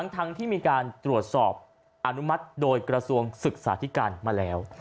ทั้งที่มีการตรวจสอบอนุมัติโดยกระทรวงศึกษาธิการมาแล้ว